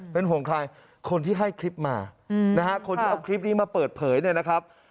เป็นห่วงใครคนที่ให้คลิปมานะฮะคนที่เอาคลิปนี้มาเปิดเผยเนี่ยนะครับ